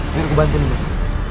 biar kubantu nenek